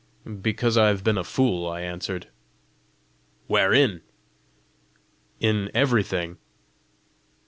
"Because I have been a fool," I answered. "Wherein?" "In everything."